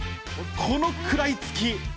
この食らいつき。